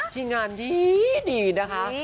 ที่งานดีนะคะ